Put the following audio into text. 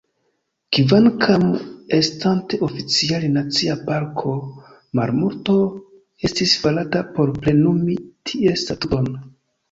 Kvankam estante oficiale nacia parko, malmulto estis farata por plenumi ties statuton.